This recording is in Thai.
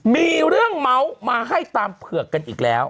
มีเรื่องเมาส์มาให้ตามเผือกกันอีกแล้ว